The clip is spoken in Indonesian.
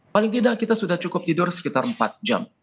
paling tidak kita sudah cukup tidur sekitar empat jam